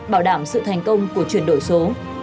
bảo đảm sự thành công của chuyển đổi số